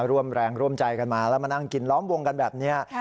ร่วมแรงร่วมใจกันมาแล้วมานั่งกินล้อมวงกันแบบนี้